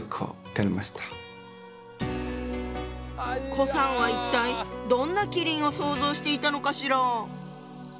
顧さんは一体どんな麒麟を想像していたのかしら？